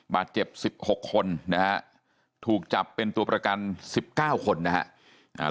บาดเจ็บ๑๖คนนะฮะถูกจับเป็นตัวประกัน๑๙คนนะครับ